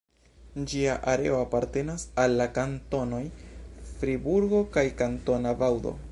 Ĝia areo apartenas al la kantonoj Friburgo kaj Kantona Vaŭdo.